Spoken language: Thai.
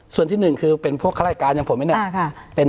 ส่วนที่หนึ่งคือเป็นพวกข้าราชการอย่างผมไหมเนี่ย